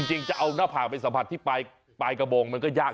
จริงจะเอาหน้าผากไปสัมผัสที่ปลายกระบงมันก็ยาก